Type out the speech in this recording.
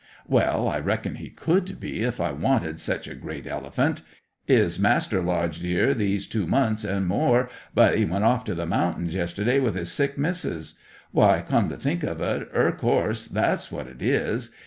"Well, I reckon he could be, if I wanted sech a great elephant. 'Is Master lodged 'ere these two months an' more, but 'e went off to the mountins yesterday with his sick Missis. Why, come to think of it, er course, that's what it is.